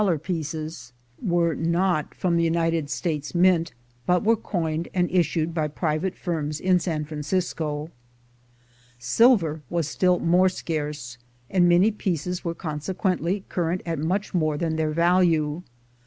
lar pieces were not from the United States Mint, but were coined and issued by private firms in San Fran cisco Silver was still more scarce, and many pieces were consequently current at much more than their value.